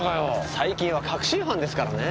最近は確信犯ですからねぇ。